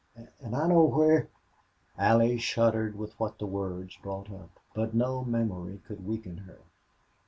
And I know where " Allie shuddered with what the words brought up. But no memory could weaken her.